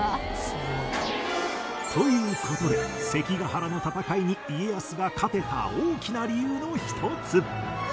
という事で関ヶ原の戦いに家康が勝てた大きな理由の一つ